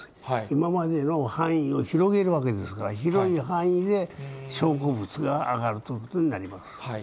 今までの範囲を広げるわけですから、広い範囲で証拠物が上がるということになります。